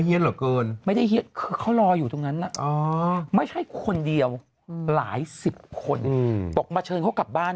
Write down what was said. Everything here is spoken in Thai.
เฮียนเหรอเกินไม่ได้เฮียนเขารออยู่ตรงนั้นนะอ๋อไม่ใช่คนเดียวหลายสิบคน